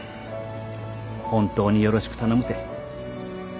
本当によろしく頼むて。